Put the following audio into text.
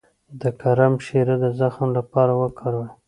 د کرم شیره د زخم لپاره وکاروئ